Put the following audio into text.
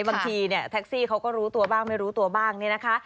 บางทีเนี่ยแท็กซี่เขาก็รู้ตัวบ้างไม่รู้ตัวบ้างเนี่ยนะคะ